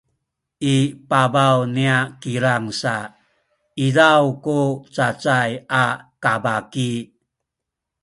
i pabaw niya kilang sa izaw ku cacay a kabaki